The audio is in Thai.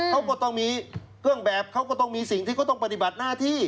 เขาก็ต้องมีเครื่องแบบเขาก็ต้องมีสิ่งที่เขาต้องปฏิบัติหน้าที่